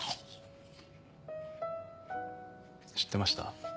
知ってました？